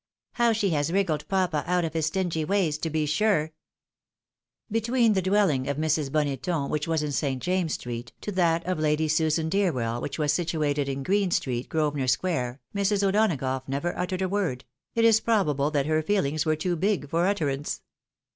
" How she has wriggled papa out of his stingy ways, to be sure !" Between the dweUing of Mrs. Boneton, which was in St. James's street, to that of Lady Susan Deerwell, which was situated in Green street, Grosvenor square, Mrs. O'Donagough never uttered a word ; it is probable that her feelings were too big for utterance.